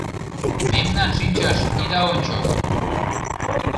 Мемнан шинчаш ида ончо -